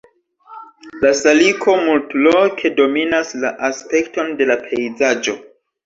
La saliko multloke dominas la aspekton de la pejzaĝo.